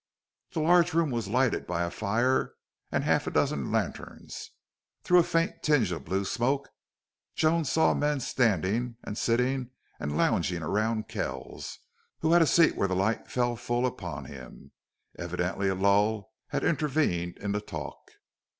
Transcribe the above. The large room was lighted by a fire and half a dozen lanterns. Through a faint tinge of blue smoke Joan saw men standing and sitting and lounging around Kells, who had a seat where the light fell full upon him. Evidently a lull had intervened in the talk.